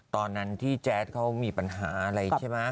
ตอนนั้นที่แจ๊ดเขามีปัญหาอะไรใช่ไหม